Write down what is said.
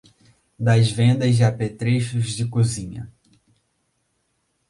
das vendas de apetrechos de cozinha